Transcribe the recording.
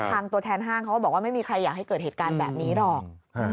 ตัวแทนห้างเขาก็บอกว่าไม่มีใครอยากให้เกิดเหตุการณ์แบบนี้หรอก